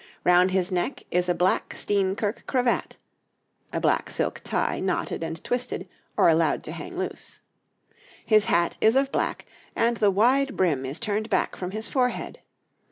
Round his neck is a black Steenkirk cravat (a black silk tie knotted and twisted or allowed to hang over loose). His hat is of black, and the wide brim is turned back from his forehead.